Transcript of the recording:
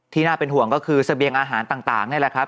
น่าเป็นห่วงก็คือเสบียงอาหารต่างนี่แหละครับ